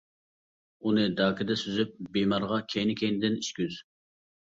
ئۇنى داكىدا سۈزۈپ بىمارغا كەينى-كەينىدىن ئىچكۈز.